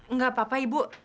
nggak apa apa ibu